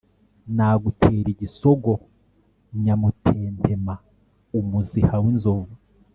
Nagutera igisogo nyamutentema-Umuziha w'inzovu.